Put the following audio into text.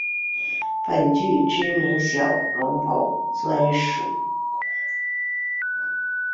本剧知名小笼包专卖店鼎泰丰做为故事题材。